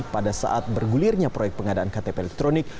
pada saat bergulirnya proyek pengadaan ktp elektronik